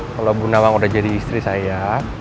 kalau bundawang udah jadi istri saya